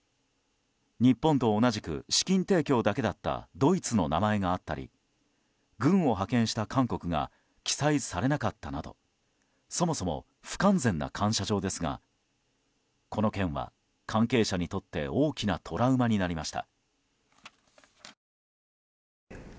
日本と同じく資金提供だけだったドイツの名前があったり軍を派遣した韓国が記載されなかったなどそもそも不完全な感謝状ですがこの件は関係者にとって大きなトラウマになりました。